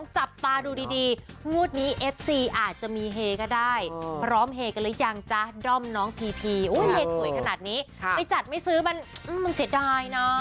จับตาดูดีงวดนี้เอฟซีอาจจะมีเฮก็ได้พร้อมเฮกันหรือยังจ๊ะด้อมน้องพีพีเฮสวยขนาดนี้ไปจัดไม่ซื้อมันเสียดายนะ